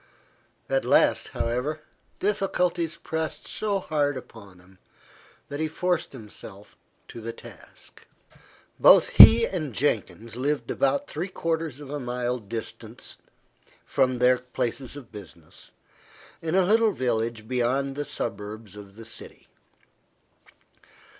At last, however, difficulties pressed so hard upon him, that he forced himself to the task. Both he and Jenkins lived about three quarters of a mile distant from their places of business, in a little village beyond the suburbs of the city.